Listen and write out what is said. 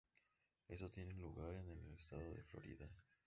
Estos tienen lugar en el estado de Florida.